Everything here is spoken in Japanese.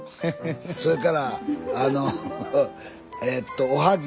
それからあのえとおはぎ。